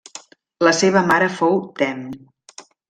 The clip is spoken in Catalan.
La seva mare fou Tem.